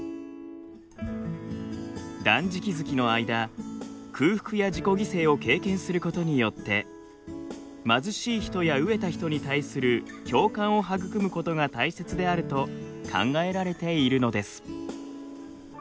断食月の間空腹や自己犠牲を経験することによって貧しい人や飢えた人に対する共感を育むことが大切であると考えられているのです。